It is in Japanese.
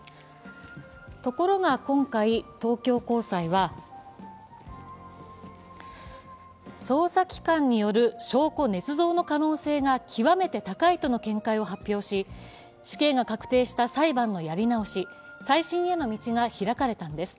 ところが今回、東京高裁は捜査機関による証拠ねつ造の可能性が極めて高いとの見解を発表し死刑が確定した裁判のやり直し再審への道が開かれたんです。